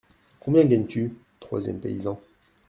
Combien gagnes-tu ? troisième paysan.